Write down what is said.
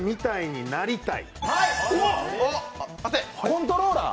コントローラー？